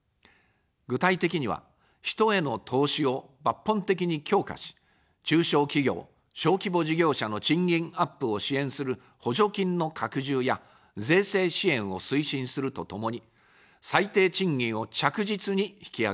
具体的には、人への投資を抜本的に強化し、中小企業・小規模事業者の賃金アップを支援する補助金の拡充や税制支援を推進するとともに、最低賃金を着実に引き上げます。